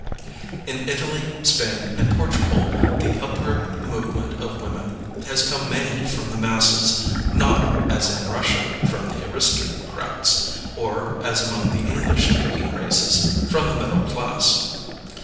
In Italy, Spain, and Portugal the upward movement of women has come mainly from the masses, not, as in Russia, from the aristocrats, or, as among the English speaking races, from the middle class.